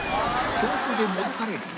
強風で戻される